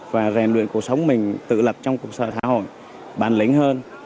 và rèn luyện cuộc sống mình tự lập trong cuộc sống xã hội bản lĩnh hơn